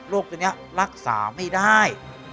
โรคทีนี้รักษาไม่ได้